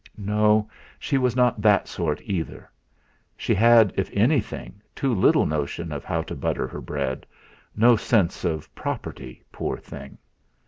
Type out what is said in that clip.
No, she was not that sort either. She had, if anything, too little notion of how to butter her bread, no sense of property, poor thing!